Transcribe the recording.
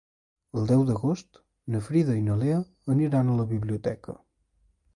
El deu d'agost na Frida i na Lea aniran a la biblioteca.